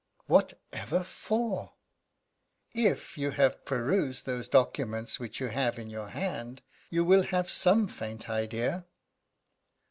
"Whatever for?" "If you have perused those documents which you have in your hand, you will have some faint idea.